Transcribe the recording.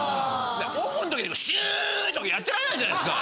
オフの時にシュー！とかやってられないじゃないですか。